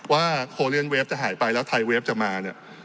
ว่าโคเลียนเวฟจะหายไปแล้วไทยเวฟจะมาเนี่ย